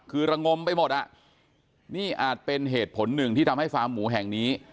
คือระงมไปหมดอ่ะนี่อาจเป็นเหตุผลหนึ่งที่ทำให้ฟาร์มหมูแห่งนี้